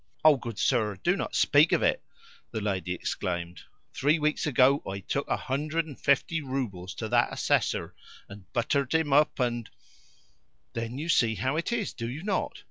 "Oh, good sir, do not speak of it!" the lady exclaimed. "Three weeks ago I took a hundred and fifty roubles to that Assessor, and buttered him up, and " "Then you see how it is, do you not?